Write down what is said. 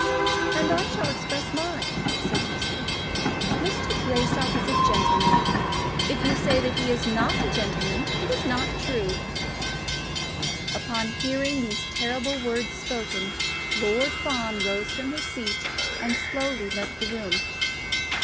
"And I shall express mine," said Lucy. "Mr. Greystock is a gentleman. If you say that he is not a gentleman, it is not true." Upon hearing these terrible words spoken, Lord Fawn rose from his seat and slowly left the room.